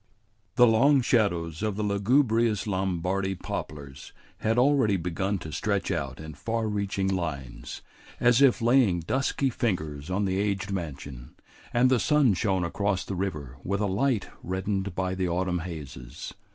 The long shadows of the lugubrious Lombardy poplars had already begun to stretch out in far reaching lines, as if laying dusky fingers on the aged mansion, and the sun shone across the river with a light reddened by the autumn hazes.